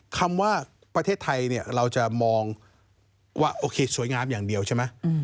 คำว่าประเทศไทยเราจะมองว่าโอเคสวยงามอย่างเดียวใช่ไหม